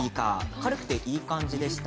軽くて、いい感じでした。